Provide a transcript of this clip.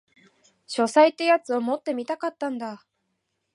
書斎ってやつを持ってみたかったんだ